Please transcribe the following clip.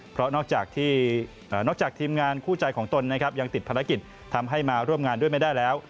เพราะนอกจากทีมงานคู่ใจของตนยังติดภารกิจทำให้มาร่วมงานด้วยไม่ได้แล้ว